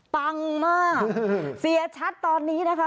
ปังมากเสียชัดตอนนี้นะคะ